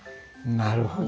なるほど。